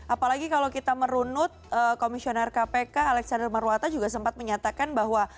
apalagi kalau kita merunut komisioner kpk alexander marwata juga sempat menyatakan bahwa